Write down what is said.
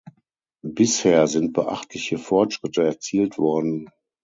Bisher sind beachtliche Fortschritte erzielt worden.